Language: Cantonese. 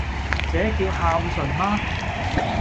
這叫孝順嗎？